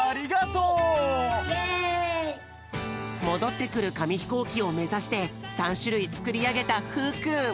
もどってくるかみひこうきをめざして３しゅるいつくりあげたふうくん。